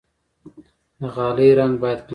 د غالۍ رنګ باید کلک وي.